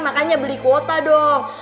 makanya beli kuota dong